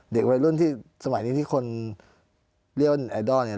เด็กวัยรุ่นที่สมัยนี้ที่คนเรียกว่าไอดอลเนี่ย